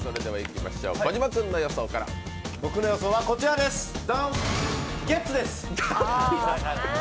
僕の予想は、ゲッツです。